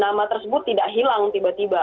nama tersebut tidak hilang tiba tiba